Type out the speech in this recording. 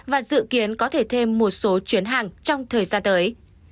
và dự kiến có thể thêm một số chuyến hàng trong thời gian tới